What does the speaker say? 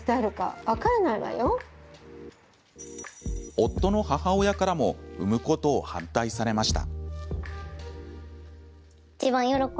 夫の母親からも産むことを反対されました。